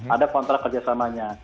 ada kontrak kerjasamanya